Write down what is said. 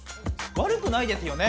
悪くないですよね。